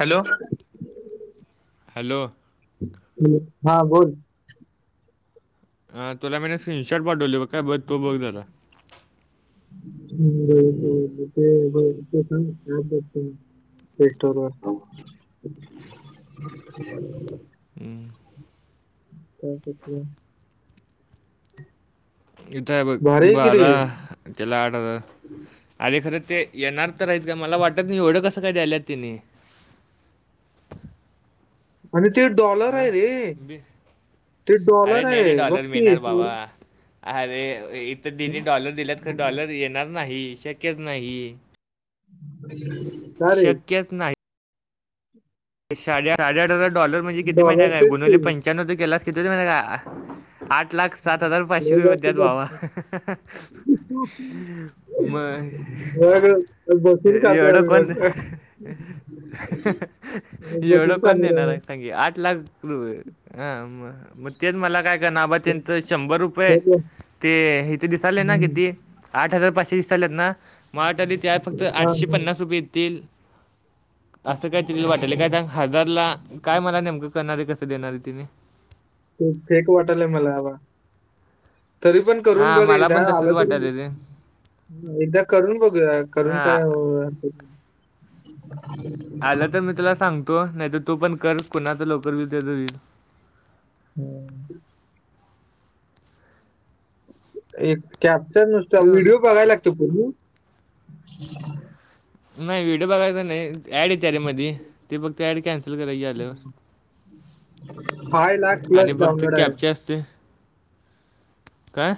Hello. Hello. हा बोल. तुलाी स्क्रीनशर्ट पाठवली ब काय बघ तो बघ झाला. [inaudible] त. [inaudible] ते ठरू असत. हम्म, त्या कच. इथे भारी आहे की रे बराा चला आठ. अरे खरं ते येणार तर राहीच का मला वाटत नाही एवढं कसं काय द्यायल्यात तिने आणि ते डॉलर हं? आहे रे बी- ते अरे डॉलर नाही रे आहे डॉलर बघकीी. मिळणार बाबा अरे इथर दिने डॉलर दिलात ख डॉलर येणार नाही शक्यच नाही. का रे कच नाही. साडे साडे आठ हजार डॉलर म्हणजे किती महिन्या डॉलर काय तेच गुणवले की पंच्याण्वर केलास किती हो महि काय. आठ लाख सात हजार पाचशे लय रुपये जास्त द्यात भावा. जात मग बघ बसून खातोय एवढं आम्ही कोण. बघ एवढं बसून कोण खाणार देणार आम्ही आहे सांगे आठ लाख रु म मग तेच मला काय. का नाबा ते त्यांंत शंभर रुपये फेक वा- ते हिथ दिसाल ना हम्म. किती. आठ हजार पाचशे वीस साल्यातना मराटाली त्या फक्त हा, आठशे हा. पन्नास रुपये येतील. असं काय तिला वाटल काय हजारला काय मला नेमकं करणारे कसं देणार आहे तिने. खू फेक वाटलय मला हवा तरी पण. करून हां बघ मला एकदा पण तसंच आलं तर. वाटायले रे एकदा करून बघू करून हां काय. आलं तर मी तुला सांगतो नाही तर तू पण कर कुणाच लवकर वल त्याच वल. हम्म. एक कॅप्चर ते नुसतं म्हणलं व्हिडिओ बघायला लागतो पूर्. नाही व्हिडिओ बघायचा नाही ऍड आहे त्या रे मध ते फक्त ऍड कन. फाय लाख प्लस आणि फक्त डाउनलोड कॅ आहे अस. ते काय.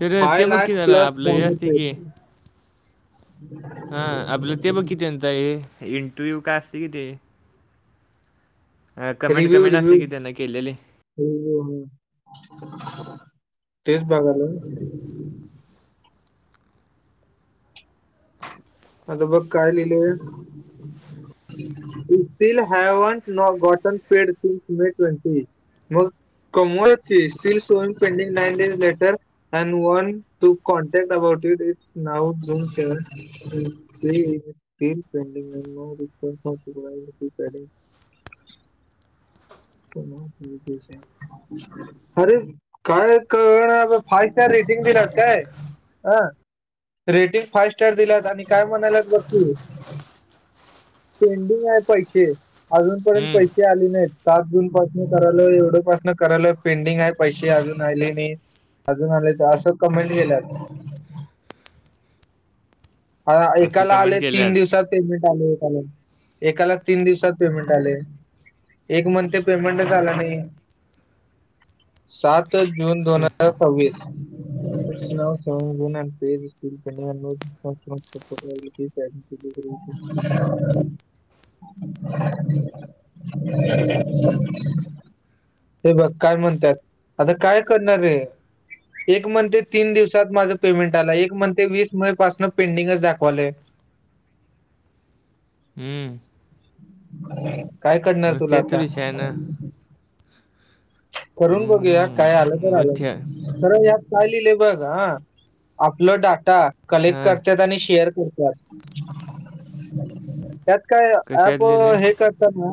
तर फाय ते बघ की लाख जरा प्लस. आपलं हे असते की हा आपलं ते बघ किती अंत आहे इंटरव्ह्यू काय असते किती. अ कमेंट कमेंट असते की त्यांने केलेली. हो हो हो तेच बघाला. आता बघ काय लिहिलंय. Still haven't gotten paid since May twenty. मग कमच फ still so pending nine days letter. And want to contact about it it's now zoom seven. Pudding. तर. अरे काय फाइव स्टार रेटिंग भी राहतय. हं रेटिंग फायव स्टार दिलात आणि काय म्हणालात बघू. पेंडिंग आहे पैसे अजून पर्यंत हम्म, पैसे आले नाहीत. सात जून पासन कराल एवढ्या पासन करायल पेंडिंग आहे पैसे अजून आहिले नाही. अजून आले तर असं कमेंट केल्यात. ह असं एकाला कमेंट आले तीन केल्यात दिवसात पेमेंट आले एकाला एकाला तीन दिवसात पेमेंट आले. एक मंथ पेमेंट झा आला नाही सात जून दोन हजार सव्वीस स ो [inaudible] ते बघ काय म्हणतात आता काय करणारे एक मं तीन दिवसात माझं पेमेंट आलं एक मं वीस मे पासून पेंटिंगच दाखवालंय हम्म काय करणार मगत तुला आता तुरीष आहे ना करून बघूया काय आलं हम्म, तर मग आलं त्या खर यात चालेले बघ हा आपला डाटा कलेक्ट हां करतात आणि शेअर करतात त्यात काय ऍप कशात लिहिले हे करत ना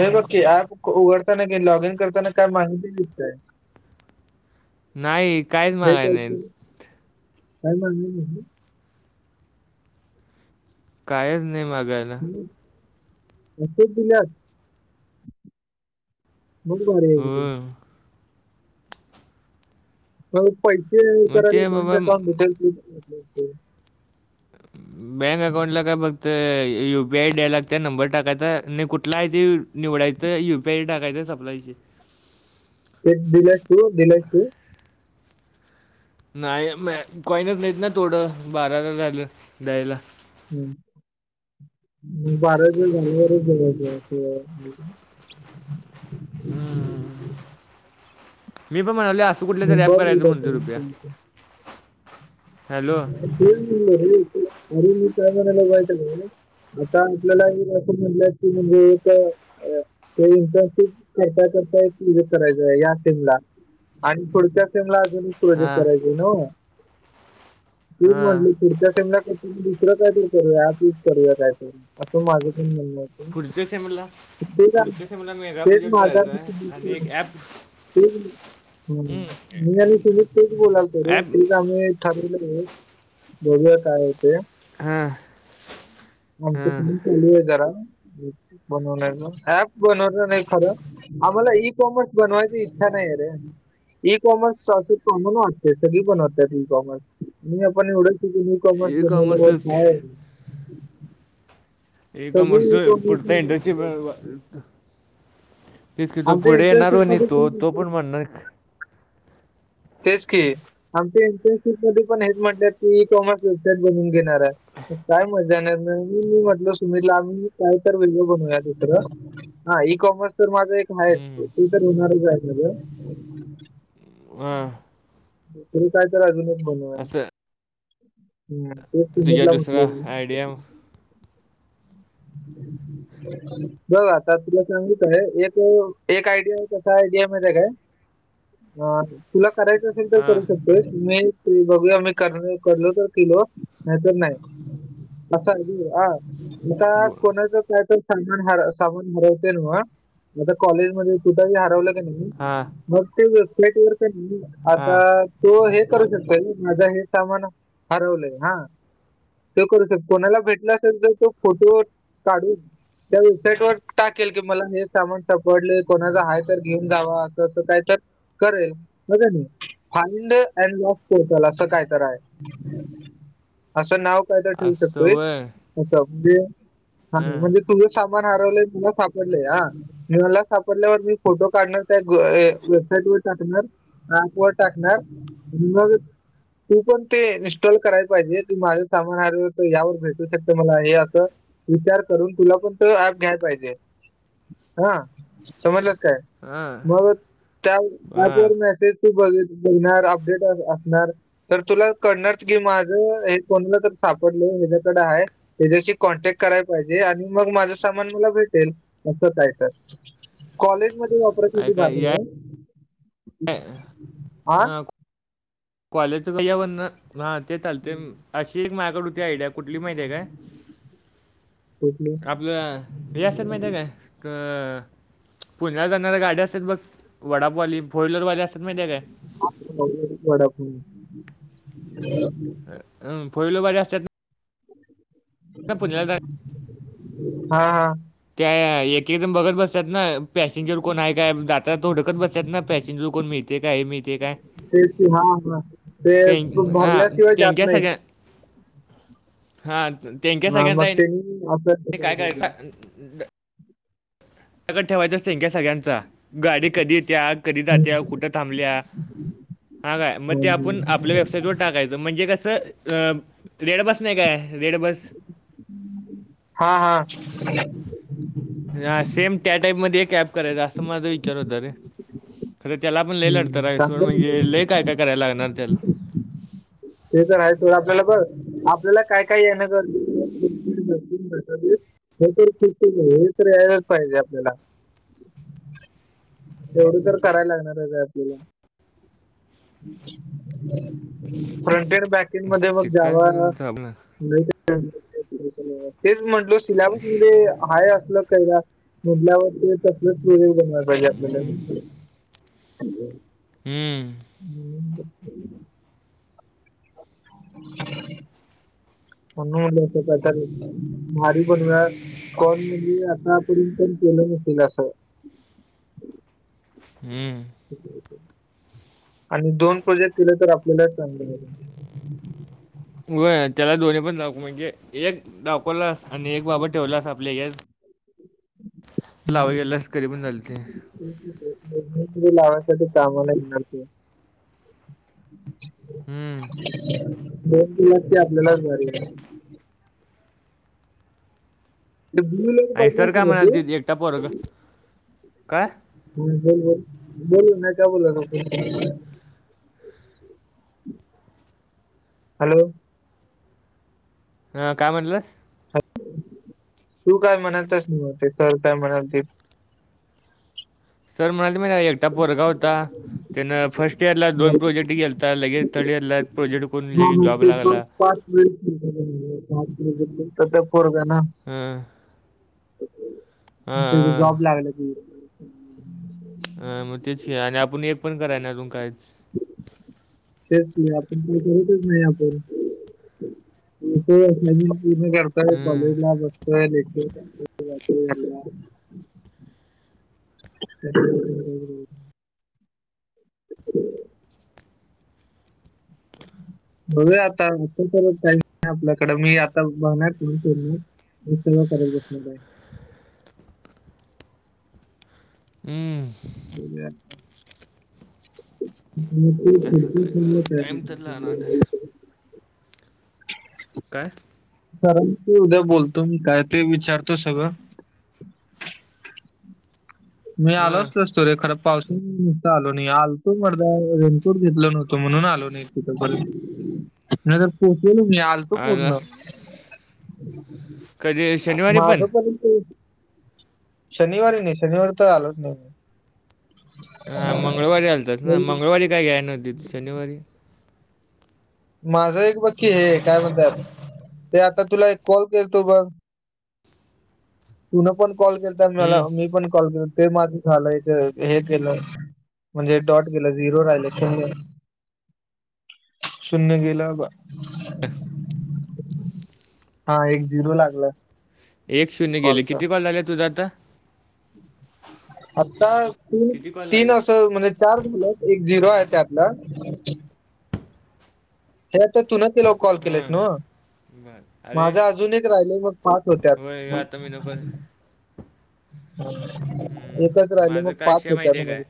हे बी ऍप उघडताना लॉग इन करताना काय माहिती दिसतय. नाही काहीच हे मागाय काय नाहीत. काय माग नाही. कायच नाही मागाय ना. लफ दिला ब बारी आहे क हो तू मग पैसे मग करायला ते बँक बाबा अकाउंट भेटेल बँक अकाउंटला काय फक्त युपीआय द्याय लागत नंबर टाकायचा आणि कुठला आहे त निवडायचं यू पी आय टाकायचं सप्लायची एक दिले तू दिले तू नाही म कॉनच नाहीत ना थोडं बाराला झालं द्यायला हम्म म बारा ज जानेवरच जघयच हम्म. ह मी पण म्हणावले असं कुठल्या तरी मग अॅब बघ करायचं उद्या म्हणज करून रुपया ते. हॅलो मर मी कामाणालागवायचं आता आपल्याला असं म्हटलं क म्हणजे एक अ ते इंटरनशिप करता करता एक करायचंय या सिमला आणि थोडच्या्या सेमला अजून क्रोज हां करायची न त म्हट हां पुर्च्या सेमला दुसरं काय ते करूया तूच करूया काय करू असं माझं पण म्हण पुढच्या सेमला ेट पुढच्या सेमला मेगा प्रोजेक्ट आार करायचा आहे आणि एक ॲप ठी मी अ सुमित तेच बोलालतो रे ॲप ठीक आम्ही भघ काय ते हा आमच त चालू आहे जरा बनवणारचा ऍप बनवणार नाही खरं आम्हाला इई कॉमर्स बनवायची इच्छा नाही आहे रे ई कॉमर्स असे कॉम वाटते सगळी बनवतात कॉमर्स मी आपण एवढंच की नू कॉमर्स ई घे कॉमर्स ए कमर्स सगळी ई पुढता कॉमर्स इंडस्ट्री कितकीि तो आमच्या पुढे येणार हो इंटर्नशिप आणि मध्ये तो तो पण म्हणणार तेच की आमच्या एंटर्नशिप मध्ये पण हेच म्हटलं की इई कॉमर्स वेबसाईट बनून घेणार आहे काय मजा नाही नाही म मी म्हटलं सुनीतला आम्ही काय तर व्हिडिओ बनूया दुसरं हा इई कॉमर्स तर माझा एक आहे हम्म, ते तर होणारच आहे माझ ह तुरी काय तर अजून एक बनवाय असं हम तुझ्या तेटला दुसरा म्हटलं आयडिया हम् बघ आता तुला सांगत आहे एक एक आयडिया आहे कसा आयडियामध्ये काय अ तुला करायचं असेल तर हा करू शकत ्ी बघूया आम म्ही कर करलो तर केलो नाहीतर नाही असं अ एता बो कोणाच का तर सामान ह सामान हरवते ना आता कॉलेजमध्येध्ये कुठही हरवलं की नाही हां मग ते वेबसाईट वर का नाही हा आता तो हे करू शकतोय माझं हे सामान हरवलंय हा तो करू शक कोणाला भेटला असेल तर तो फोटो काढून त्या वेबसाईट वर टाकेल की मला हे सामान सपडले कोणाचं आहेय तर घेऊन जावा असं असं काय तर करेलर फाईड अनड लॉस कोर्टल असं काय तर आहे असं नाव काय तर ठेवू असं शकतोय वय अच्छा म्हणजे हा म्हणजे तु्ही सामान हरवलंय मला सापडलंय हा म मला सापडल्यावर मी फोटो काढणार त्या वेबसाईट वर टाकणार हा, ॲपवर टाकणार तू पण ते इन्स्टॉल कराय पाहिजे तू माझं सामान, हरवलं तर यावर भेटू शकते मला हे विचार करून तुला पण तो ऍप घ्यायला पाहिजे हा समजलंच काय हा मग त्या हा त्यावर मेसेज त बघ बघणार अपडेट असणार तर तुला कणार की माझं हे कोणलं तर सापडल हझ्याकडे आहे हच्या्याशी कॉन्टॅक्ट कराय पाहिजे आणि मग माझं सामान मला भेटेल असं काय तर कॉलेज मध्ये ऑपर्च्युनिटी भ ऐका या आहे ह हा कॉलेजचं चवरण हा ते चालते अशी एक माझकड होती आयडिया कुठली माहिती आहे काय कुठली? आपलं रियासत माहित आहे काय अ पुण्यातला जाणारऱ्या गाड्या असतात बघ वडापवाली फोर व्हीलरवाली असतात माहिती काय ह वाड हम, फोर वाली अस हा हा ते एक एकदम बघत बस सत ना पॅसेंजर कोण आहे काय जाता थोडकच बसत ना पॅसेंजर कोण मिळत ते हा हा ते त्यां तू हां, भरल्याशिवाय जात त्यांच्या नाहीत हम् हा ह मग तेनी असं ते काय कय क ठेवायच्या संख्या सगळ्यांचा गाडी कधी येत्या कधी हं, जात्या कुठं थांबल्या हा काय मग ते आपण हं. आपल्या वेबसाईट वर टाकायचं म्हणजे कसं अ रेड बस नाही काय रेड बस हा हा हम्म ह सेम त्या टाईप मध्ये एक ऍप करायचं असं माझ विचार होत रे खरं त्याला पण लले हं. लढतसवर चांगलं आहे की. म्हणजे ले काय काय करायला लागणार त्याला ते तर आहेयच आपल्याला ब आपल्याला काय काय येणं गरज हे तर फ हे तर यायलाच पाहिजे आपल्याला तेवढ तर करायला लागणार का आपल्याला फ्रंटर बॅक एंड मध्ये मग काय जावा करून द आपलं तेच म्हटल सिलेबस मध्ये हाय असल काय का मुल्यावरती तकले वळी बनयला पाहिजे आपल्याला हम्म हम्म अन त्या भारी पण कण म्हणजे आतापर्यंत पण केलं नसेल असं हम्म आणि दोन प्रोजेक्ट केले तर आपल्याला चांगलं व त्याला दोन्ही पण दाक म्हणजे एक दाखवलास आणि एक बाबा ठेवलास आपल्या घ लावा गेलास करी पण झाल ते लावासाठी कामाला येणार तू हम्म दो वाते आपल्यालाच बरी आहे बम आणि पाहि सर त काय म्हणाल ते एकटा ह पोरगा काय बोल बोल बोलू नाही काय बोला ना हॅलो अ काय म्हटलं तू काय म्हणतच नव्हते सर काय म्हणालतील सर म्हणाले म एकटा परोरगा होता त्यान फर्स्ट इयरला हा, दोन प्रोजेक्ट तेलत लगे तला प्रोजेक्ट कोून ल मग जॉब ते पाच लागला पाच वळे पा त्या पोरग ना हम् हां जॉब लागला त अ मग तेच आणि आपण एक पण कराय ना अजून कायच शच आपण का करतच नाही आपण नाही पूर्ण करतय हम्म कॉलेज ला हो झा ह हम् ब आता असं कर काही नाही आपल्याकड मी आता बघणार करल बस आहे हमं ब म कसं काय टाईम तर लागणार काात सर ते उद्या बोलतो मी काय ते विचारतो सगळं मी हां आलोच स खराब पावस नस आलो नाही आल तो मदा रेनकोट घेतल नव्हतो म्हणून आलो नाही त नाही तर पोहोचल मी आलतो आला पूर्ण कधी शनिवारी पण माझं पर्यंतंत शनिवारी नाही शनिवारी तर आलोच नाही मी हा मंगळवारी आलतच ना मी. मंगळवारी काय घ्यायला नव्हती शनिवारी माझं एक बाकी हे काय म्हणत आप ते आता तुला एक कॉल करतो बघ तुन पण कॉल केलता मला हम्म, मी पण कॉल के ते माझ झालं एक हे केलं म्हणजे डॉट केलं झिरो राहिलं े शून्य गेलं अफ हा एक झिरो लागलं एक शून्य गेले किती कॉल झाले तुझं आता आता तीन किती कॉल तीन झाल्यात असं म्हणजे चार मुलं आहेत एक झिरो आहे त्यातलं हे तर तुून तिला कॉल केलास नव हां बर अरे माझा अजून एक राहिलंय मग पाच होय आता मी नको होत्यात. हम्म, एकच राहिले माझं मग काय पाच विषय होत माहिती आहे माझं काय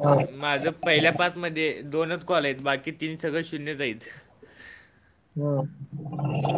अं, माझं पहिल्या पाच मध्ये दोनच कॉल आहेत बाकी तीन सगळं शून्यच आहेत. हम्म